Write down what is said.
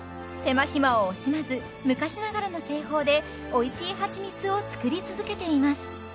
手間暇を惜しまず昔ながらの製法でおいしいはちみつを作り続けています